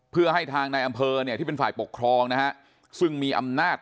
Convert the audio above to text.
เพื่อให้ทางในอำเภอเนี่ยที่เป็นฝ่ายปกครองนะฮะซึ่งมีอำนาจ